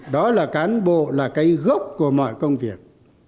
đó là cán bộ là cây gốc của mọi công việc